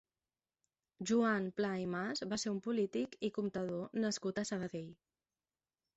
Joan Pla i Mas va ser un polític i comptador nascut a Sabadell.